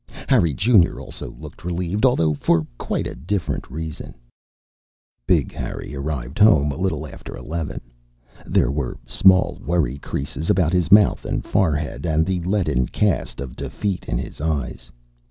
Harry Junior also looked relieved, although for quite a different reason. Big Harry arrived home a little after eleven. There were small worry creases about his mouth and forehead, and the leaden cast of defeat in his eyes.